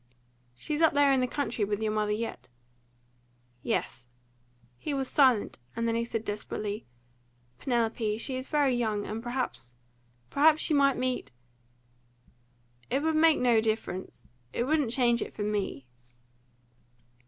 "She's up there in the country with your mother yet?" "Yes." He was silent; then he said desperately "Penelope, she is very young; and perhaps perhaps she might meet " "It would make no difference. It wouldn't change it for me."